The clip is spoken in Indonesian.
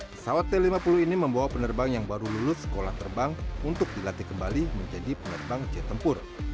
pesawat t lima puluh ini membawa penerbang yang baru lulus sekolah terbang untuk dilatih kembali menjadi penerbang jet tempur